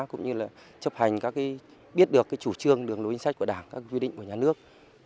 cũng như là chấp hành biết được chủ trương đường lối chính sách của đảng các quy định của nhà nước